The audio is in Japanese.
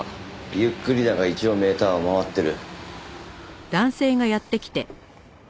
ゆっくりだが一応メーターは回ってる。